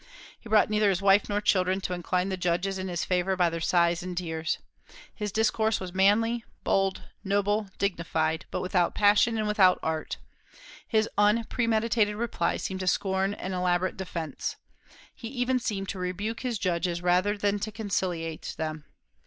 He brought neither his wife nor children to incline the judges in his favor by their sighs and tears. His discourse was manly, bold, noble, dignified, but without passion and without art. His unpremeditated replies seemed to scorn an elaborate defence. He even seemed to rebuke his judges, rather than to conciliate them.